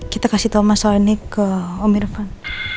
kita kasih tahu masalah ini ke om irfan